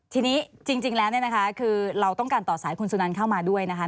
ทีนี้จริงแล้วเนี่ยนะคะคือเราต้องการต่อสายคุณสุนันเข้ามาด้วยนะคะ